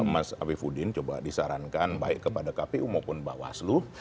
mas wifudin coba disarankan baik kepada kpu maupun mbak waslu